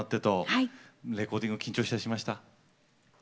レコーディング緊張したりしました？